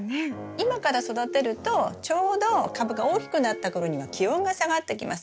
今から育てるとちょうど株が大きくなった頃には気温が下がってきます。